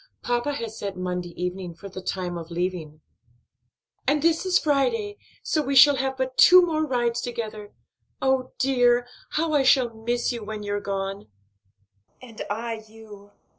"Papa has set Monday evening for the time of leaving." "And this is Friday; so we shall have but two more rides together. Oh, dear! how I shall miss you when you're gone." "And I you.